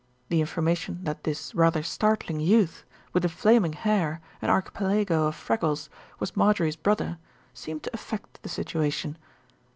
The information that this rather startling youth, with the flaming hair and archipelago of freckles, was Marjorie's brother, seemed to affect the situation.